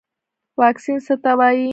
واکسین څه ته وایي